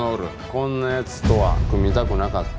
「こんな奴とは組みたくなかった」